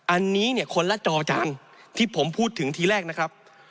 อันนี้คนละจจที่ผมพูดถึงทีแรกนะครับ